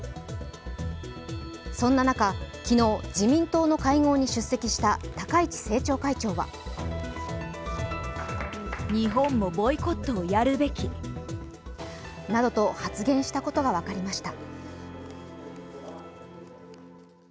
そんな中、昨日、自民党の会合に出席した高市政調会長はなどと発言したことが分かりました。